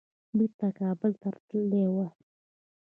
بیرته کابل ته تللي وای.